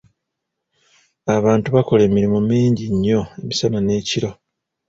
Abantu bakola emirimu mingi nnyo emisana n'ekiro.